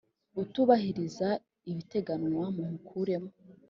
Utubahiriza ibiteganywa mumukuremo.